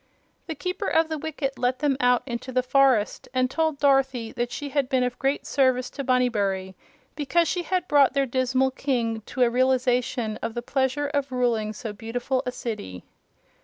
The Keeper of the Wicket let them out into the forest and told Dorothy that she had been of great service to Bunnybury because she had brought their dismal King to a realization of the pleasure of ruling so beautiful a city.